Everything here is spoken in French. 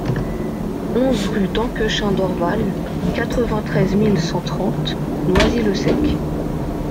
onze rue Danquechin Dorval, quatre-vingt-treize mille cent trente Noisy-le-Sec